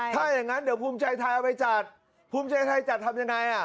ถ้าอย่างนั้นเดี๋ยวภูมิใจไทยเอาไปจัดภูมิใจไทยจัดทำยังไง